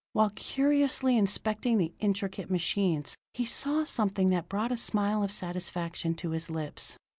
While curiously inspecting the intricate machines, he saw something that brought a smile of satisfaction to his lips.